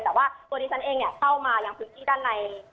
แต่ว่าตัวดิฉันเองเข้ามายังพื้นที่ด้านใน